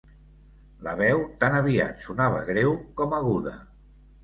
La veu tan aviat sonava greu com aguda.